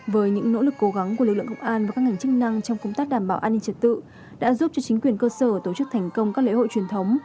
với những nỗ lực cố gắng của lực lượng công an và các ngành chức năng trong công tác đảm bảo an ninh trật tự đã giúp cho chính quyền cơ sở tổ chức thành công các lễ hội truyền thống